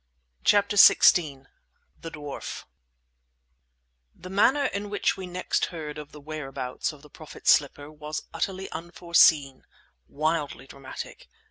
CHAPTER XVI THE DWARF The manner in which we next heard of the whereabouts of the Prophet's slipper was utterly unforeseen, wildly dramatic.